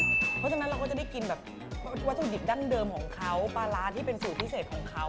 เพราะฉะนั้นเราก็จะได้กินแบบวัตถุดิบดั้งเดิมของเขาปลาร้าที่เป็นสูตรพิเศษของเขา